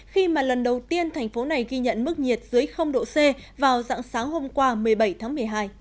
khi mà lần đầu tiên thành phố này ghi nhận mức nhiệt dưới độ c vào dạng sáng hôm qua một mươi bảy tháng một mươi hai